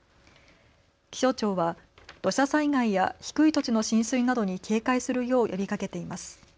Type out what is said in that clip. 気象庁は土砂災害や低い土地の浸水などに警戒するよう呼びかけています。